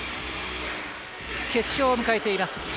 決勝を迎えています。